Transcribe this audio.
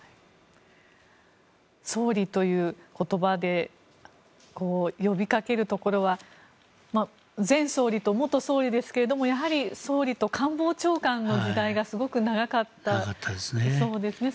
総理という言葉で呼びかけるところは前総理と元総理ですけどもやはり総理と官房長官の時代がすごく長かったそうですね。